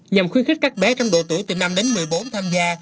nhằm khuyến khích các bé trong độ tuổi từ năm đến một mươi bốn tham gia